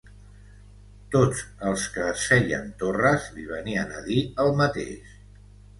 Tots els que es feien torres li venien a dir el mateix